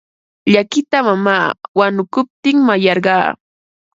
Llakita mamaa wanukuptin mayarqaa.